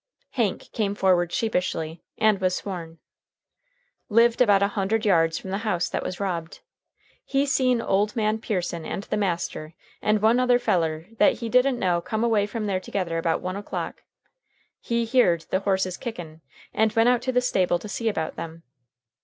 Hank came forward sheepishly, and was sworn. Lived about a hundred yards from the house that was robbed. He seen ole man Pearson and the master and one other feller that he didn't know come away from there together about one o'clock. He heerd the horses kickin', and went out to the stable to see about them.